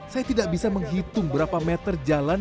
saya tidak bisa menghitung berapa meter jalan